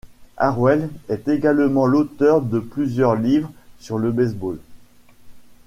Harwell est également l'auteur de plusieurs livres sur le baseball.